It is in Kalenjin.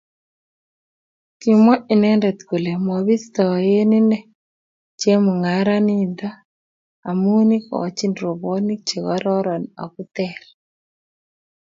kimwa inrndet kole mabisto inen chemung'arainivhoto amun ikochini robwoniek chekororon ako teer